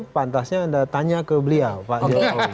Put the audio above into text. pantasnya anda tanya ke beliau pak jokowi